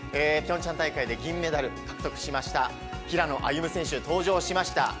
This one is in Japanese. ピョンチャン大会で銀メダル獲得しました、平野歩夢選手、登場しました。